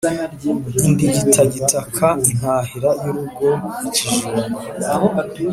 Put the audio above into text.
Indigitagitaka intahira y'urugo-Ikijumba.